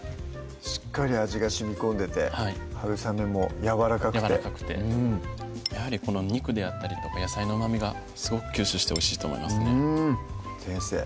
しっかり味がしみこんでてはるさめもやわらかくてやわらかくてやはりこの肉であったりとか野菜の旨みがすごく吸収しておいしいと思いますねうん先生